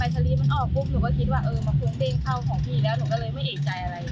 หรือว่าคิดว่าเออมันผิวเด้งเขาของพี่แล้วหนูก็เลยไม่เอ่ยใจอะไร